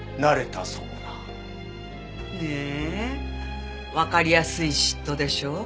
ねえわかりやすい嫉妬でしょ？